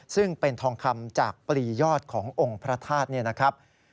ซึ่งเป็นทองคำจากปรียอดขององค์พระธาตุ